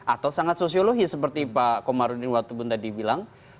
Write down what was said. atau sangat sosiologis seperti pak komarudin watubun tadi bilang